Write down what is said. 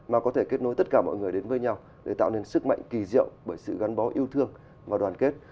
mà có thể kết nối tất cả mọi người đến với nhau để tạo nên sức mạnh kỳ diệu bởi sự gắn bó yêu thương và đoàn kết